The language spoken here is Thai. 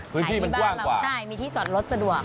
พื้นที่มันกว้างกว่าใช่มีที่สอนรถสะดวก